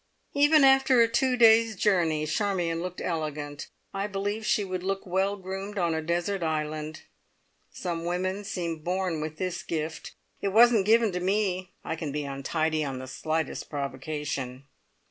Even after a two days' journey Charmion looked elegant. I believe she would look well groomed on a desert island. Some women seem born with this gift. It wasn't given to me. I can be untidy on the slightest provocation!